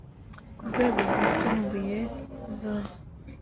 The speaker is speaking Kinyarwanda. ku rwego rwisumbuye zose